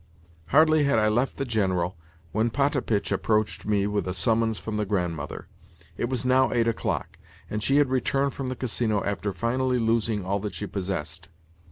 Hardly had I left the General, when Potapitch approached me with a summons from the Grandmother. It was now eight o'clock, and she had returned from the Casino after finally losing all that she possessed.